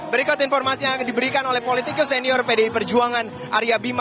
berikut informasi yang diberikan oleh politikus senior pdi perjuangan arya bima